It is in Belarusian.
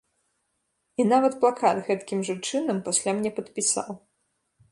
І нават плакат гэткім жа чынам пасля мне падпісаў.